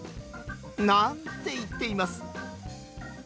なんて言っています。